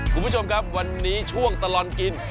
คุณผู้ชมครับวันนี้ช่วงตลอดกิน